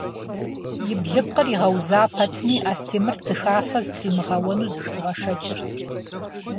И блыпкъыр игъэуза пэтми, Астемыр дзыхафэ зытримыгъэуэну зыхуигъэшэчырт.